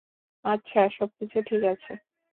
আচ্ছা, সবকিছু ঠিক আছে।